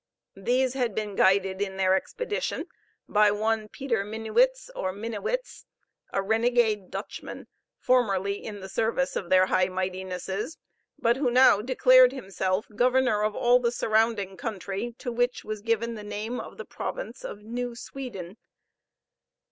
These had been guided in their expedition by one Peter Minuits or Minnewits, a renegade Dutchman, formerly in the service of their High Mightinesses; but who now declared himself governor of all the surrounding country, to which was given the name of the province of New Sweden.